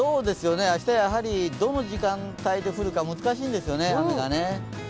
明日、やはりどの時間帯で降るか難しいんですよね、雨がね。